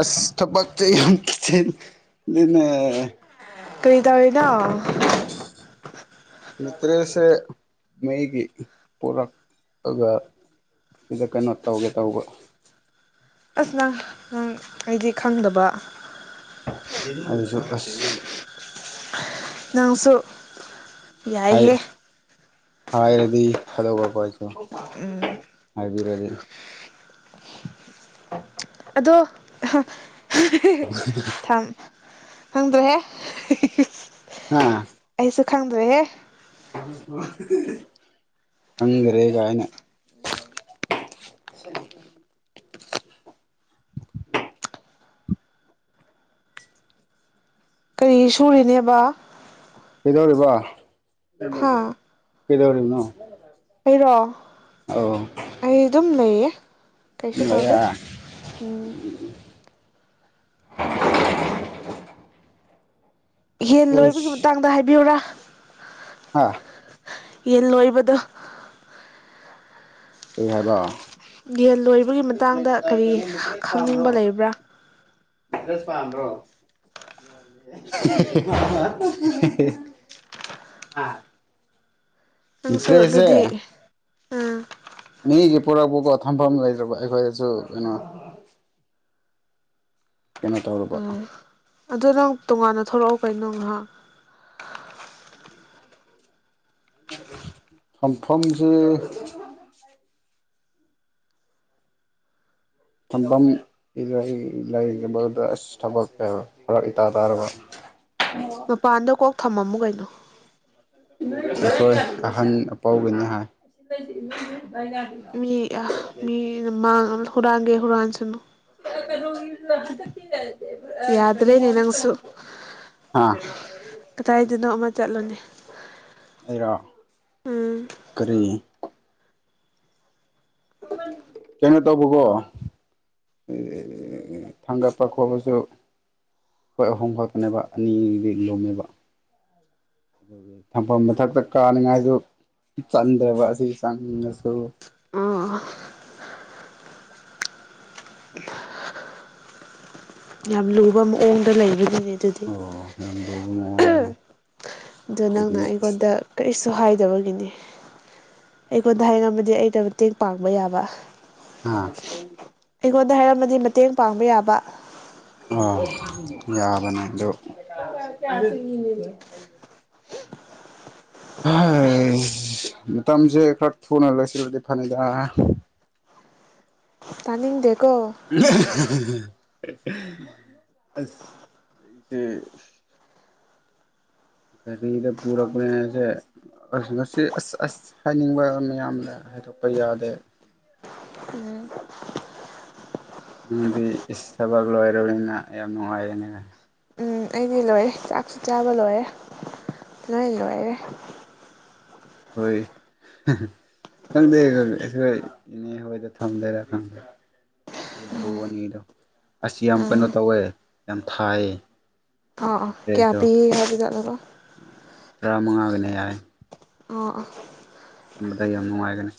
ꯑꯁ ꯊꯕꯛꯁ ꯌꯥꯝꯤꯦꯅꯦ ꯀꯔꯤ ꯇꯥ ꯑꯣꯏꯔꯤꯗ ꯑ ꯃꯤꯁ ꯃꯒꯤ ꯄꯨꯔꯒ ꯁꯤꯗ ꯀꯩꯅꯣ ꯇꯧꯒꯦ ꯇꯧꯕ ꯑꯁ ꯅꯪ ꯅꯪ ꯑꯩꯗꯤ ꯈꯪꯗꯕ ꯁꯨ ꯅꯪꯁꯨ ꯍꯥꯏ ꯌꯥꯏꯍꯦ ꯍꯥꯏꯔꯗꯤ ꯐꯗꯣꯛꯒꯀꯣ ꯑꯩꯁꯨ ꯍꯥꯏꯕꯤꯔꯗꯤ ꯑꯗꯣ ꯊꯝ ꯍꯪꯗ꯭ꯔꯦ ꯑꯥ ꯈꯪꯗ꯭ꯔꯦꯍꯦ ꯈꯪꯔꯦ ꯀꯥꯏꯅ [unintelligible] ꯀꯔꯤ ꯁꯨꯔꯤꯅꯦꯕ ꯀꯩꯗꯧꯔꯤꯕ ꯍꯥ ꯀꯩꯗꯧꯔꯤꯕꯅꯣ ꯑꯩꯔꯣ ꯑꯧ ꯑꯩ ꯑꯗꯨꯝ ꯂꯩꯌꯦꯦ ꯀꯩꯁꯨꯁꯨ ꯇꯥꯗꯦ ꯎꯝ ꯍꯟ ꯂꯣꯏꯕꯒꯤ ꯃꯇꯥꯡꯗ ꯍꯥꯏꯕꯤꯌꯨꯨꯔꯥ ꯍꯥ ꯌꯦꯟ ꯂꯣꯏꯕꯗ ꯀ ꯍꯥꯏꯕ ꯌꯦꯟ ꯂꯣꯏꯕꯒꯤ ꯃꯇꯥꯡꯗ ꯀꯔꯤ ꯀꯩꯅꯣ ꯈꯪꯅꯤꯡꯕ ꯂꯩꯕ꯭ꯔꯥ ꯁꯄꯥꯝꯕ꯭ꯔꯣ [inaudible] ꯅꯪꯁꯨ ꯑꯗꯨꯗꯤ ꯑꯥ ꯃꯤꯒꯤ ꯄꯣꯔꯛꯄꯀꯣ ꯊꯝꯐꯝ ꯂꯩꯇ꯭ꯔꯕ ꯑꯩꯈꯣꯏꯗꯁꯨ ꯀꯩꯅꯣ ꯀꯩꯅꯣ ꯇꯧꯨꯔꯕ ꯎꯝ ꯑꯗꯨ ꯅꯪ ꯇꯣꯉꯥꯟꯅ ꯊꯣꯛꯂꯛꯑꯣ ꯀꯩꯅꯣ ꯉꯥꯏꯍꯥꯛ ꯐꯝꯐꯝꯐꯝꯁꯦ ꯊꯝꯐꯝ ꯏ ꯂꯩꯗ ꯑꯁ ꯊꯕꯛꯅꯦꯕ ꯐꯔꯛ ꯏꯇꯥ ꯇꯥꯔꯕ ꯃꯄꯥꯟꯗ ꯀꯣꯛ ꯊꯝꯃꯝꯃꯨ ꯀꯩꯅꯣ ꯑꯩꯈꯣꯏ ꯑꯍꯟ ꯑꯄꯥꯎꯒꯅꯤ ꯍꯥꯏ ꯃꯤ ꯑ ꯃꯤꯅ ꯍꯨꯔꯥꯟꯒꯩ ꯍꯨꯔꯥꯟꯁꯤꯅꯨ ꯀꯩꯅꯣ ꯂ ꯀꯩꯅ ꯌꯥꯗ꯭ꯔꯦꯅꯦ ꯅꯪꯁꯨ ꯑꯥ ꯆꯠꯂꯅꯤ ꯑꯩꯔ ꯀꯔꯤꯅꯤ ꯀꯩꯅꯣ ꯇꯧꯕꯀꯣ ꯊꯥꯡꯒꯠꯄ ꯈꯣꯄꯁꯨ ꯑꯩꯈꯣꯏ ꯑꯍꯣꯡ ꯈꯇꯅꯦꯕ ꯑꯅꯤ ꯑꯅꯤ ꯂꯣꯝꯃꯦꯕ ꯑꯗꯨꯒꯤ ꯊꯝꯐꯝ ꯃꯊꯛꯇ ꯀꯥꯅꯤꯡꯉꯥꯏꯗꯨ ꯆꯟꯗ꯭ꯔꯕ ꯑꯁꯤ ꯆꯪꯉꯁꯨ ꯑꯣ ꯌꯥꯝ ꯂꯨꯕ ꯃꯑꯣꯡꯗ ꯂꯩꯕꯒ ꯑꯣ ꯌꯥꯝꯗꯧꯕ ꯃꯉꯗꯅ ꯑꯗ ꯅꯪꯅ ꯑꯩꯉꯣꯟꯗ ꯀꯔꯤꯁꯨ ꯁꯨ ꯍꯥꯏꯗꯕꯒꯤꯅꯤ ꯑꯩꯉꯣꯟꯗ ꯍꯥꯏꯉꯝꯃꯗꯤ ꯑꯩꯅ ꯃꯇꯦꯡ ꯄꯥꯡꯕ ꯌꯥꯕ ꯑꯥ ꯑꯩꯉꯣꯟꯗ ꯍꯥꯏꯔꯝꯃꯗꯤ ꯃꯇꯦꯡ ꯄꯥꯡꯕ ꯌꯥꯕ ꯑ ꯌꯥꯕꯅꯦ ꯑ [inaudible] ꯍ ꯃꯇꯝꯁꯦ ꯈꯔ ꯊꯨꯅ ꯂꯣꯏꯁꯤꯕꯗꯤ ꯐꯅꯤꯗ ꯇꯅꯤꯡ ꯗꯦꯠ [inaudible] ꯑꯁ ꯁꯦ ꯒꯥꯔꯤꯗ ꯄꯨꯔꯛꯄꯅꯦꯁꯦ ꯑ ꯉꯁꯤ ꯑꯁ ꯑꯁ ꯍꯥꯏꯅꯤꯡꯕ ꯃꯌꯥꯝꯗ ꯊꯣꯛꯞꯄ ꯌꯥꯗꯦ ꯎꯝ ꯅꯪꯗꯤ ꯏꯁ ꯊꯕꯛ ꯂꯣꯏꯔꯕꯅꯤꯅ ꯌꯥꯝ ꯅꯨꯡꯉꯥꯏꯌꯦꯅꯦ ꯎꯝ ꯑꯩꯗꯤ ꯂꯣꯏꯔꯦ ꯆꯥꯛꯁꯨ ꯆꯥꯕ ꯂꯣꯏꯔꯦ ꯂꯣꯏ ꯂꯣꯏꯔꯦ ꯍꯣꯏ ꯈꯪꯗꯦ ꯏꯅꯦ ꯍꯣꯏꯗ ꯊꯝꯗꯣꯏꯔꯥ ꯈꯪꯗ ꯌꯥꯝꯕꯣꯛꯑꯅꯤꯗꯣ ꯑꯁ ꯌꯥꯝ ꯀꯩꯅꯣ ꯎꯝ ꯇꯧꯋꯦ ꯌꯥꯝ ꯊꯥꯏ ꯑꯥ ꯑ ꯀꯌꯥ ꯄꯤ ꯍꯥꯏꯕꯗ ꯇꯔꯥꯃꯉꯥꯒꯤꯅ ꯌꯥꯏ ꯑꯥ ꯑꯥ ꯇꯝꯕꯗ ꯌꯥꯝ ꯅꯨꯡꯉꯥꯏꯒꯅꯤ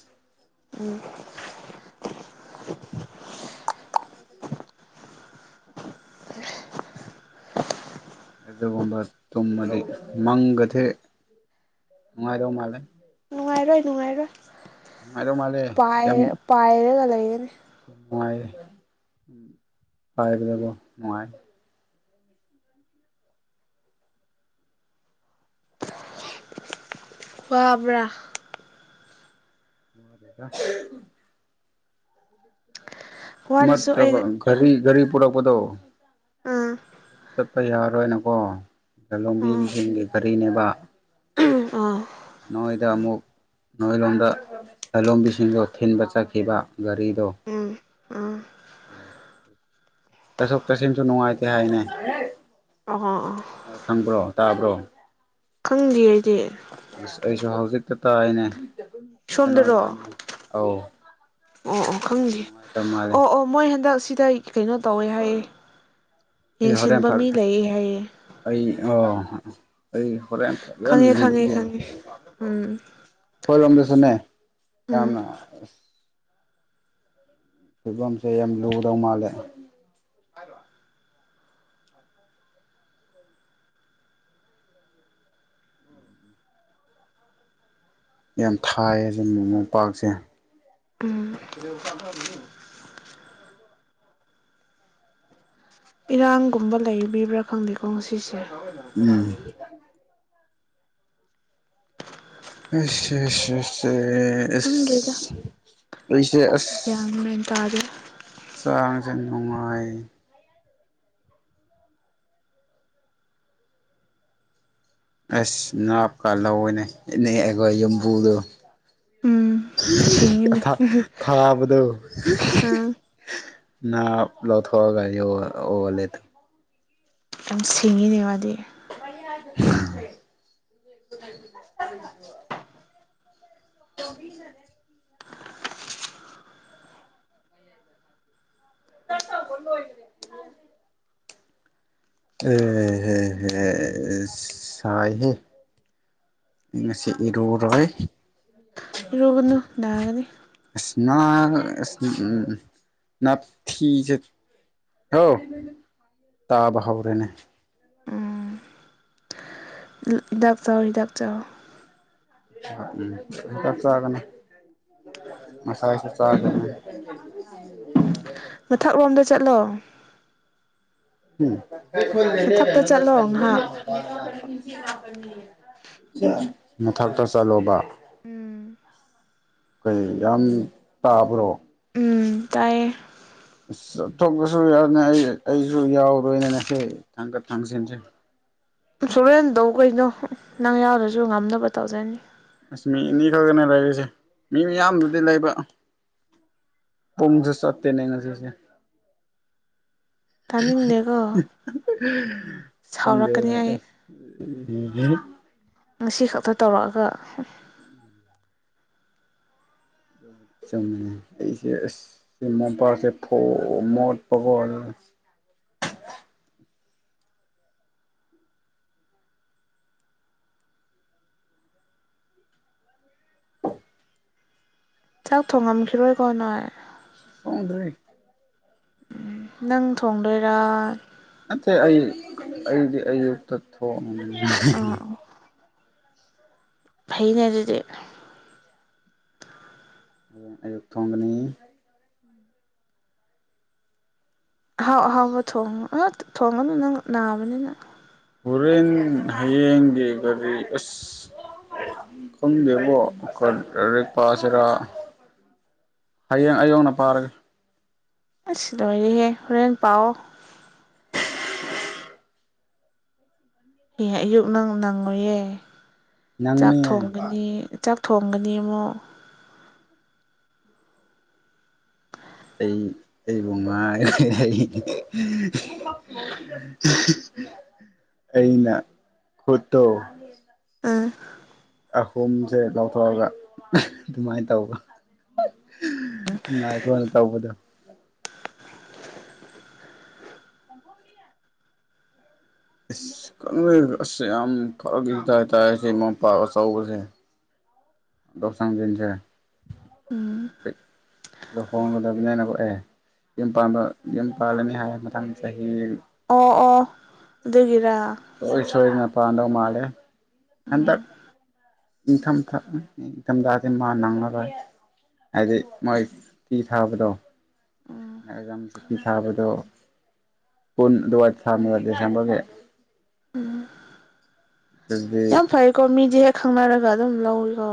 ꯑꯗꯨꯒꯨꯝꯕ ꯇꯨꯝꯃꯗꯤ ꯃꯪꯒꯗꯤꯦꯛ ꯅꯨꯡꯉꯥꯏ ꯌꯝꯂꯦ ꯅꯨꯡꯉꯥꯏꯔꯣꯏ ꯅꯨꯡꯉꯥꯏꯔꯣꯏ ꯃꯥꯜꯂꯦ ꯌꯥꯝ ꯄꯥꯏ ꯄꯥꯏꯔꯒ ꯂꯩ [unintelligible] ꯋꯥꯕ꯭ꯔ [inaudible] ꯋꯥꯔꯁꯨ ꯅꯠꯇ꯭ꯔꯒ ꯑꯩꯅ ꯒꯔꯤ ꯒꯔꯤ ꯄꯔꯛꯗꯣ ꯑꯥ ꯑꯗꯨꯝ ꯆꯠꯄ ꯌꯥꯔꯣꯏꯅꯀꯣ ꯂꯣꯡꯕꯤꯁꯤꯡꯒꯤꯒꯤ ꯒꯥꯔꯤꯅꯦꯕ ꯑꯥ ꯑꯥ ꯅꯣꯏꯗ ꯑꯃꯨꯛ ꯅꯣꯏ ꯂꯣꯝꯗ ꯂꯂꯣꯟꯕꯤꯁꯤꯡꯗꯣ ꯊꯤꯟꯕ ꯆꯠꯈꯤꯕ ꯒꯥꯔꯤꯗꯣ ꯎꯝ ꯎꯝ ꯆꯠꯊꯣꯛ ꯆꯠꯁꯤꯟꯁꯨ ꯅꯨꯡꯉꯥꯏꯇꯦ ꯍꯥꯏꯅꯦ꯫ ꯑꯣꯍꯣ ꯑꯣꯍꯣ ꯅꯣꯏ ꯈꯪꯕ꯭ꯔꯣ ꯇꯥꯕ꯭ꯔꯣ꯫ ꯈꯪꯗꯦ ꯑꯩꯗꯤ꯫ ꯑꯁ ꯑꯩꯁꯨ ꯍꯧꯖꯤꯛꯇ ꯇꯥꯏꯅꯦ ꯀꯩꯅꯣ ꯁꯣꯝꯗꯔꯣ ꯌꯥꯝ ꯑꯧ꯫ ꯑꯣ ꯑꯣ ꯌꯥꯝ ꯈꯪꯗꯦ ꯅꯨꯡꯉꯥꯏꯇꯕ ꯃꯥꯜꯂꯦ ꯑꯣ ꯑꯣ ꯃꯣꯏ ꯍꯟꯗꯛ ꯁꯤꯗ ꯀꯩꯅꯣ ꯇꯧꯋꯦ ꯍꯥꯏꯌꯦ ꯑꯩ ꯍꯣꯔꯦꯟ ꯌꯦꯡꯁꯤꯟꯕ ꯐ ꯃꯤ ꯂꯩ ꯍꯥꯏꯌꯦ ꯑꯩ ꯑ ꯑꯩ ꯍꯣꯔꯦꯟ ꯐꯖꯅ ꯈꯪꯉꯦ ꯈꯪꯉꯦ ꯂꯤꯕꯤꯒꯦ꯫ ꯈꯪꯉꯦ ꯎꯝ ꯍꯣꯏꯔꯝꯗꯁꯨꯅꯦ ꯎꯝ ꯌꯥꯝꯅ ꯐꯤꯕꯝꯁꯦ ꯌꯥꯝ ꯂꯨꯗꯧ ꯃꯥꯜꯂꯦ ꯌꯥꯝ ꯊꯥꯏꯌꯦ ꯃꯃꯣꯝꯄꯥꯛꯁꯦ ꯎꯝ [unintelligible] ꯏꯔꯥꯡꯒꯨꯝꯕ ꯂꯩꯔꯤꯕ꯭ꯔꯥ ꯈꯪꯗꯦꯀꯣ ꯉꯁꯤꯁꯦ ꯎꯝ ꯑꯁ ꯑꯁ ꯈꯪꯗ꯭ꯔꯦꯗ ꯑꯩꯁꯦ ꯑꯁ꯫ ꯒ꯭ꯌꯥꯟ ꯃꯦꯟ ꯇꯥꯗꯦ ꯍꯛꯆꯥꯡꯁꯦ ꯅꯨꯡꯉꯥꯏ ꯑꯁ ꯅꯥꯥꯞꯀꯥ ꯂꯧꯑꯣꯏꯅꯦ ꯏꯠꯅꯤ ꯑꯩꯈꯣꯏ ꯌꯨꯝꯕꯨꯗꯨꯣ ꯎꯝ ꯁꯤꯡꯉꯤꯅꯦ ꯈꯥ ꯈꯥꯕꯗꯣ ꯑꯥ ꯅꯥ ꯂꯧꯊꯣꯛꯑꯒ ꯒꯥꯔꯤ ꯂꯩꯦꯇ ꯌꯥꯝ ꯁꯤꯡꯉꯤꯅꯦ ꯃꯥꯗꯤ [unintelligible] [unintelligible] [unintelligible] ꯑꯦ ꯑ ꯑꯁ ꯁꯥꯏꯍꯦ ꯉꯁꯤ ꯏꯔꯨ ꯔꯣꯏ ꯏꯔꯨꯒꯅꯨ ꯅꯒꯅꯤ ꯑꯁ ꯅꯥ ꯑꯁ ꯅꯥꯞꯊꯤꯁꯦ ꯍꯥꯎ ꯇꯥꯕ ꯍꯥꯎꯔꯦꯅꯦ ꯎꯝ ꯍꯤꯗꯥꯛ ꯆꯥꯎ ꯍꯤꯗꯥꯛ ꯆꯥꯎ ꯎꯝ ꯆꯥꯛ ꯆꯒꯅ ꯉꯥꯁꯥꯏꯁꯨ ꯆꯈꯔ꯭ꯦꯅꯦ ꯃꯊꯛꯂꯣꯝꯗ ꯆꯠꯂꯣ ꯃꯊꯛꯇ ꯆꯠꯂꯣ ꯉꯥꯏꯍꯥꯛ [unintelligible] ꯃꯊꯛꯇ ꯆꯠꯂꯣꯕ꯫ ꯎꯝ꯫ ꯀꯩ ꯌꯥꯝ ꯇꯥꯕ꯭ꯔꯣ꯫ ꯎꯝ ꯇꯥꯏꯌꯦ꯫ ꯆꯠꯊꯣꯛꯄꯁꯨ ꯌꯥꯅꯤ ꯑꯩ ꯑꯩꯁꯨ ꯌꯥꯎꯔꯣꯏꯅꯦ ꯉ ꯁꯤ ꯊꯥꯡꯀꯠ ꯊꯥꯡꯖꯤꯟꯁꯦ꯫ ꯁꯨꯔꯦꯟ ꯇꯧ ꯀꯩꯅꯣ ꯅꯪ ꯌꯥꯎꯔꯁꯨ ꯉꯝꯅꯕ ꯇꯧꯖꯅꯤ꯫ ꯑꯁꯃꯤ ꯑꯅꯤ ꯈꯛꯛꯇꯅꯦ ꯂꯩꯔꯤꯁꯦ ꯃꯤ ꯃꯌꯥꯝꯗꯨꯗꯤ ꯂꯩꯕ꯫ ꯄꯨꯝꯖꯤ ꯆꯠꯇꯦꯅꯦ ꯉꯁꯤꯁꯦ꯫ ꯇꯥꯅꯤꯡꯗꯦꯀꯣ ꯈꯪ ꯁꯥꯎꯔꯛꯀꯅꯤ ꯗꯦ ꯑꯩ [unintelligible] ꯉꯁꯤ ꯈꯛꯇ ꯇꯧꯔꯛꯑꯒ꯫ ꯆꯨꯝꯉꯦ ꯑꯩꯁꯦ ꯑꯁ ꯃꯣꯝꯄꯥꯛꯁꯦ ꯐꯧ ꯃꯣꯠ ꯄꯒꯜ꯫ ꯫ ꯆꯥꯛ ꯊꯣꯡꯉꯝꯈꯤꯔꯣꯏ ꯀꯣ ꯅꯣꯏ꯫ ꯍꯗꯦ ꯎꯝ ꯅꯪ ꯊꯣꯡꯗꯣꯏꯔꯥ ꯅꯠꯇꯦ ꯑꯩ ꯑꯩꯗꯤ ꯑꯌꯨꯛꯇ ꯊꯣꯛꯑ ꯑꯥ ꯐꯩꯅꯦ ꯑꯗꯨꯗꯤꯦ ꯑꯌꯨꯛ ꯊꯣꯡꯒꯅꯤ ꯑꯍꯥꯎ ꯑꯍꯥꯎꯕ ꯊꯣꯡꯉꯨ ꯑ ꯊꯣꯡꯒꯅꯨ ꯅꯪ ꯅꯥꯕꯅꯤꯅꯪ ꯍꯣꯔꯦꯟ ꯍꯌꯦꯡꯒꯤ ꯒꯥꯔꯤ ꯑꯁ ꯈꯪꯒꯦꯕꯣ ꯀꯔꯦꯄꯥꯁꯔꯥ ꯍꯌꯦꯡ ꯑꯌꯡꯅ ꯄꯥꯔꯒꯦ ꯑꯁꯤ ꯂ ꯑꯣꯏꯔꯔꯤꯍꯦ ꯍꯣꯔꯦꯟꯦꯟ ꯄꯥꯎꯑꯣ ꯍꯌꯦ ꯑꯌꯨꯛ ꯅꯪ ꯅꯪꯉꯨꯌꯦꯦ ꯆꯥꯛ ꯅꯪꯅꯦ ꯊꯣꯡꯒꯅꯤ ꯆꯥꯛ ꯊꯣꯡꯉꯅꯤꯃꯣ ꯑꯩ ꯑꯩ ꯃꯥ [unintelligible] ꯑꯩꯅ ꯈꯨꯠꯇꯣ ꯑꯥ ꯑꯍꯣꯨꯝꯁꯦ ꯂꯧꯊꯣꯛꯑꯒ ꯑꯗꯨꯃꯥꯏꯅ ꯇꯧꯕ ꯈꯣꯏ ꯅ ꯇꯕꯗ ꯁꯗꯤ ꯀ ꯑꯁ ꯌꯥꯝ ꯐꯔ ꯇꯃꯄꯥꯛ ꯑꯆꯧꯕꯁꯦ ꯣꯔꯁꯪꯗꯁꯦ ꯎꯝ ꯁꯤꯗ ꯍꯣꯡꯒꯗꯕꯅꯤꯅ ꯀꯣꯛꯑꯦ ꯌꯨꯝ ꯌꯨꯝ ꯄꯥꯜꯂꯅꯤ ꯍꯥꯏ ꯃꯊꯪ ꯆꯍꯤ ꯑꯣ ꯑꯣ ꯑꯗꯨꯒꯤꯔꯥ ꯁꯣꯏ ꯁꯣꯏ ꯉꯄꯥꯥꯟꯗ ꯃꯥꯂꯦ ꯍꯦꯟꯇ ꯎꯝ ꯏꯟꯀꯥꯝ ꯊ ꯏꯟꯝ ꯇꯗꯤ ꯃꯥ ꯅꯪꯂꯔꯣꯏ ꯍꯥꯏꯗꯤ ꯃꯣꯏ ꯐꯤ ꯊꯥꯕꯗꯣ ꯎꯝ ꯑꯦꯖꯝ ꯁꯇꯤ ꯊꯥꯕꯗ ꯄꯨꯟ ꯗꯨꯋꯥ ꯊꯗꯁꯝꯕꯒꯦ ꯎꯝ ꯌꯥꯝ ꯐꯩꯀꯣ ꯃꯤꯗꯤ ꯍꯦꯛ ꯈꯪꯅꯔꯒ ꯑꯗꯨꯝ ꯂꯧꯏꯀꯣ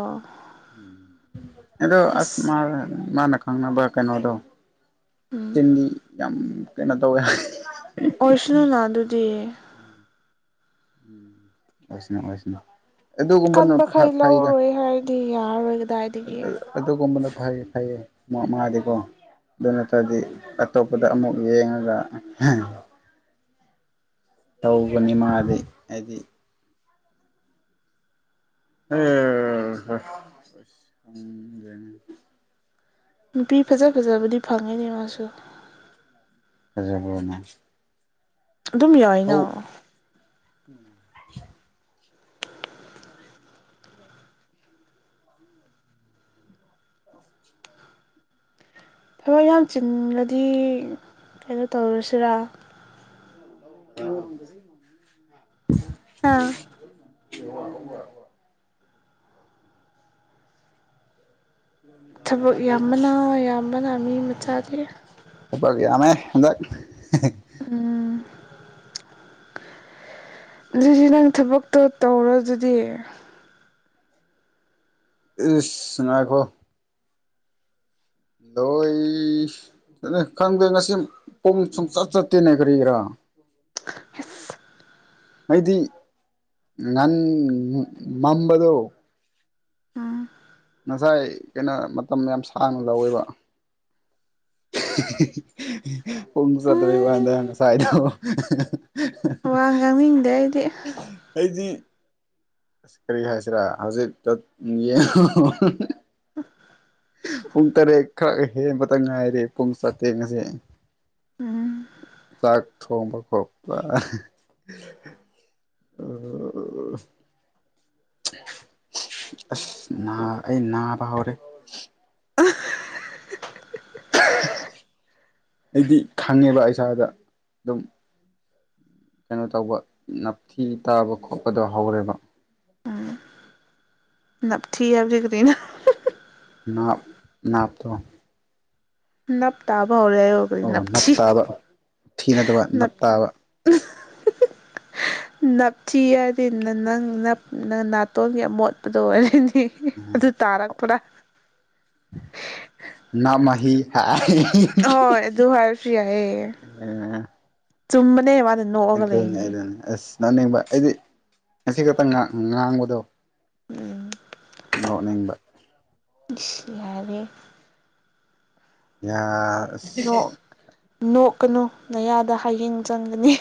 ꯑꯗꯣ ꯑꯁ ꯃꯥ ꯃꯥꯅ ꯈꯅ ꯀꯩꯅꯣꯗ ꯎꯝ ꯆꯤꯟꯗꯤ ꯌꯥꯝ ꯀꯩꯅꯣ ꯇꯧꯋꯦ ꯑꯣꯏꯔꯁꯅꯨꯅꯅꯥꯗꯨꯗꯤꯌꯦ ꯎꯝ ꯑꯣꯏꯁꯅ ꯑꯣꯏꯁꯅ ꯑꯗꯨꯒꯨꯝꯕꯅ ꯀꯟꯕꯈꯩ ꯐꯩꯒ ꯂꯧꯔꯣꯏ ꯍꯥꯏꯔꯗꯤ ꯌꯥꯔꯔꯣꯏ ꯀꯗꯥꯏꯗꯒꯤ ꯑꯗꯨꯒꯨꯝꯕꯅ ꯐꯩ ꯐꯩꯌꯦ ꯃ ꯃꯉꯥꯗꯤꯀꯣ ꯑꯗꯨ ꯅꯠꯇ꯭ꯔꯔꯗꯤ ꯑꯇꯣꯞꯄꯗ ꯑꯃꯨꯛ ꯌꯦꯡꯉꯒ ꯇꯧꯕꯅꯤ ꯃꯥꯗꯤ ꯍꯥꯏꯗꯤ ꯍ ꯍ ꯅꯨꯄꯤ ꯐꯖ ꯐꯖꯕꯗꯤ ꯐꯪꯉꯤꯅꯦ ꯃꯥꯁꯨ ꯖꯔꯕꯅ ꯑꯗꯨꯝ ꯌꯥꯎꯏꯅ ꯎꯝ ꯑ ꯊꯕꯛ ꯌꯥꯝ ꯆꯤꯂꯗꯤ ꯀꯩꯅꯣ ꯇꯧꯔꯁꯤꯔꯥ [unintelligible] ꯑꯣ ꯍꯥ ꯋꯥ ꯋꯥ ꯋꯥ ꯋꯥ ꯊꯕꯛ ꯌꯥꯝꯕꯅ ꯌꯥꯝꯕꯅ ꯃꯤ ꯃꯆꯥꯗꯤꯦ ꯆ ꯌꯥꯃꯦ ꯑꯦ ꯎꯝ ꯑꯗꯨꯗꯤ ꯅꯪ ꯊꯕꯛꯇꯣ ꯇꯧꯔꯣ ꯑꯗꯨꯗꯤ ꯏꯁꯅꯥꯈꯣ ꯂꯣꯏ ꯈꯪꯗꯦ ꯉꯁꯤ ꯄꯨꯡ ꯁꯨꯡꯆꯠ ꯆꯠꯇꯦꯅꯦ ꯀꯔꯤ ꯀꯔꯥ [inaudible] ꯑꯩꯗꯤ ꯅꯟ ꯃꯝꯕꯗꯨꯣ ꯎꯝ ꯉꯁꯥꯏ ꯀꯩꯅꯣ ꯃꯇꯝ ꯌꯥꯝ ꯁꯥꯡꯅ ꯂꯧꯋꯦꯕ [unintelligible] ꯄꯨꯡ ꯆꯠꯇꯩ ꯋꯥꯥꯟꯗ ꯎꯝ ꯉꯁꯥꯏꯗ ꯋꯥ ꯉꯥꯡꯅꯤꯡꯗꯦ ꯑꯩꯗꯤ ꯑꯩꯗꯤ ꯑꯁ ꯀꯔꯤ ꯍꯥꯏꯁꯤꯔꯥ ꯍꯧꯖꯤꯛ ꯌꯦꯉ ꯍ ꯄꯨꯡ ꯇꯔꯦꯠ ꯈꯔ ꯍꯦꯟꯕꯇ ꯉꯥꯏꯔꯦ ꯄꯨꯡ ꯆꯥꯇꯦꯡꯁꯦ ꯎꯝ ꯆꯥꯛ ꯊꯣꯡꯕ ꯈꯣ ꯎ ꯑꯁ ꯑꯩ ꯅꯥꯕ ꯍꯧꯔꯦ ꯑ [unintelligible] ꯑꯩꯗꯤ ꯈꯪꯉꯦꯕ ꯏꯁꯥꯗ ꯑꯗꯨꯝ ꯀꯩꯅꯣ ꯇꯧꯕ ꯅꯞꯊꯤ ꯇꯥꯕ ꯈꯣꯠꯄꯗꯣ ꯍꯧꯔꯦꯕ ꯅ ꯊꯤ ꯒꯔꯤꯅ ꯅ ꯅꯄꯗ ꯅꯞ ꯇ ꯐꯥꯎꯔꯦ ꯑꯣꯏꯒꯔꯤ ꯑꯣ ꯅꯞ ꯅꯞꯊ ꯇꯥꯕ ꯊꯤ ꯅꯠꯇꯕ ꯅꯞ ꯇꯥꯕ [unintelligible] ꯅꯞꯊꯤ ꯍꯥꯏꯔꯗꯤ ꯅꯪꯞ ꯅꯪ ꯅꯥꯇꯣꯟꯒꯤ ꯑꯃꯣꯠꯄꯗ ꯑꯣꯏꯔꯅꯤ ꯑꯗꯨ ꯇꯥꯔꯛ ꯄꯨꯔ ꯅꯃꯍꯤ ꯍꯣꯏ ꯑꯗꯨꯍꯔ ꯐꯤꯦ ꯇꯨꯝꯅꯦꯦ ꯃꯥ ꯑꯗꯨꯅꯤ ꯑꯗꯨꯅꯤ ꯑꯁ ꯅꯅꯤꯡꯕ ꯑꯩꯗꯤ ꯉꯁꯤ ꯈꯛꯇꯪ ꯉꯥꯡꯕꯗꯣ ꯎꯝ ꯅꯣꯛꯅꯤꯡꯕ ꯂꯔꯦ ꯌꯥ ꯅꯣꯛ ꯅꯣꯛꯀꯅꯨ ꯅꯌꯥꯗ ꯍꯌꯦꯡ ꯆꯪꯒꯅꯤ